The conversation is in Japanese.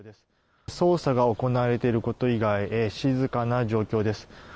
捜査が行われていること以外静かな状況です。